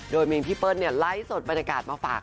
โดยมีพี่เปิ้ลไลฟ์สดบรรยากาศมาฝาก